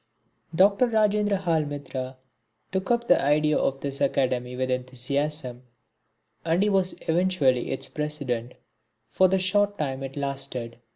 Dr. Rajendrahal Mitra took up the idea of this Academy with enthusiasm, and he was eventually its president for the short time it lasted.